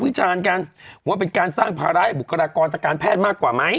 ว่าเป็นการสร้างภาระให้บุคลากรตระการแพทย์มากกว่าไหม